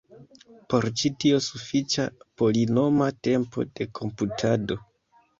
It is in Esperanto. Por ĉi tio sufiĉa polinoma tempo de komputado.